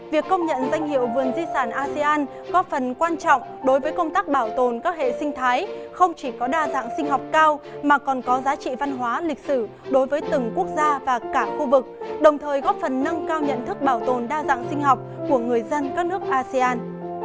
việc công nhận danh hiệu vườn di sản asean góp phần quan trọng đối với công tác bảo tồn các hệ sinh thái không chỉ có đa dạng sinh học cao mà còn có giá trị văn hóa lịch sử đối với từng quốc gia và cả khu vực đồng thời góp phần nâng cao nhận thức bảo tồn đa dạng sinh học của người dân các nước asean